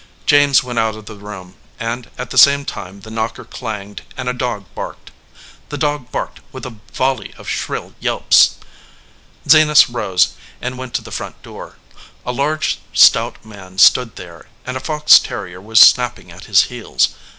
James went out of the room, and at the same time the knocker clanged and a dog barked. The dog barked with a volley of shrill yelps. 218 BOTH CHEEKS Zenas rose and went to the front door. A large stout man stood there and a fox terrier was snap ping at his heels.